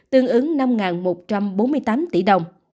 tương ứng năm một trăm bốn mươi tám tỷ đồng